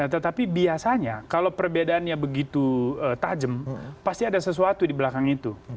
tetapi biasanya kalau perbedaannya begitu tajam pasti ada sesuatu di belakang itu